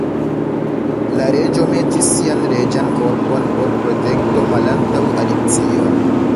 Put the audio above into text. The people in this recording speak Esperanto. La Reĝo metis sian reĝan korpon por protekto malantaŭ Alicion.